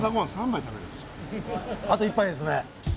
あと１杯ですね。